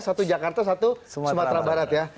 satu jakarta satu sumatera barat ya